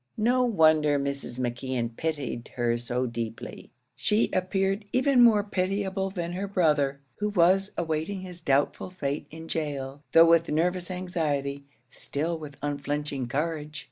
No wonder Mrs. McKeon pitied her so deeply; she appeared even more pitiable than her brother, who was awaiting his doubtful fate in gaol though with nervous anxiety, still with unflinching courage.